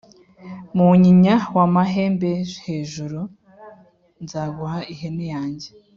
munyinya w'a mahe mbe hejuru/ nzaguha ihene yanjye